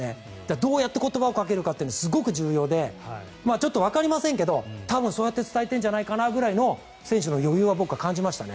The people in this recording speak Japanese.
どうやって言葉をかけるかってすごく重要でちょっとわかりませんが多分そうやって伝えているんじゃないかなみたいな選手の余裕は僕は感じました。